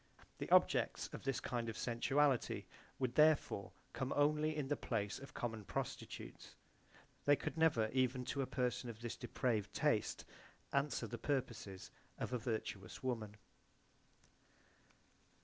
The objects of this kind of sensuality would therefore come only in the place of common prostitutes; they could never even to a person of this depraved taste answer the purposes of a virtuous woman.